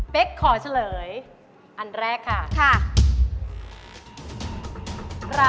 เป๊กขอเฉลยอันแรกค่ะ